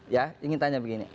ya ingin tanya begini